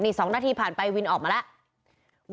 นี่๒นาทีผ่านไปวินออกมาแล้ว